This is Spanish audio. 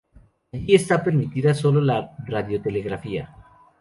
Allí está permitida sólo la radiotelegrafía.